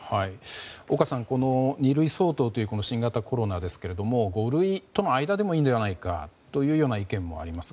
岡さん、二類相当という新型コロナですが五類との間でもいいのではないかという意見もあります。